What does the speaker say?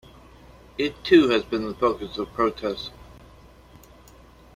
It, too, has been the focus of protests.